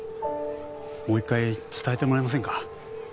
もう一回伝えてもらえませんか？